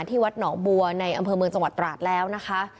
ที่วัดหนองบัวในอำเภอเมืองจังหวัดตราดแล้วนะคะ